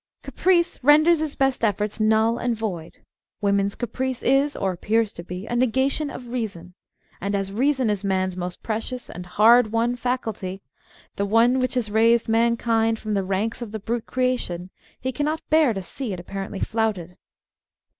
Caprice renders his best efforts null and void. Woman's caprice is, or appears to be, a nega tion of reason. And as reason is man's most precious and hard won faculty, the one which has raised man f ' 1 6 Married Love kind from the ranks of the brute creation, he cannot bear to see it apparently flouted.